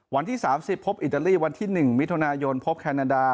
วันที่๓๐พบอิตาลีวันที่๑มิถุนายนพบแคนาดา